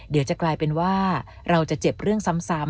เดี๋ยวจะกลายเป็นว่าเราจะเจ็บเรื่องซ้ำ